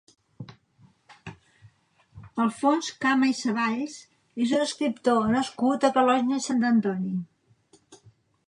Alfons Cama i Saballs és un escriptor nascut a Calonge i Sant Antoni.